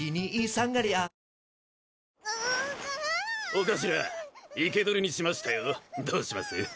お頭生け捕りにしましたよどうします？